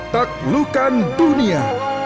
tak lukan dunia